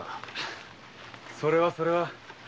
それはそれは。